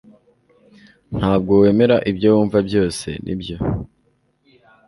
Ntabwo wemera ibyo wumva byose, nibyo?